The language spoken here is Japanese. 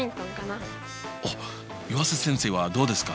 おっ湯浅先生はどうですか？